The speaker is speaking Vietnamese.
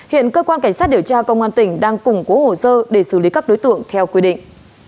hiện cơ quan cảnh sát điều tra công an tỉnh đang củng cố hồ sơ để xử lý các đối tượng theo quy định